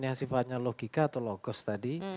yang sifatnya logika atau logos tadi